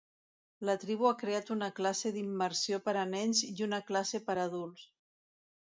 La tribu ha creat una classe d'immersió per a nens i una classe per a adults.